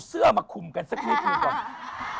สามารถขึ้นหน้าหนึ่งหนังสือพิมพ์